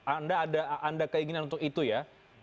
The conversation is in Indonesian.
anda ada anda keinginan untuk itu ya